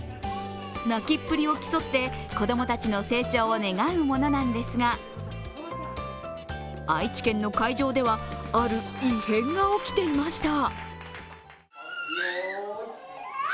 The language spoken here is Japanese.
泣きっぷりを競って、子供たちの成長を願うものなんですが、愛知県の会場ではある異変が起きていました。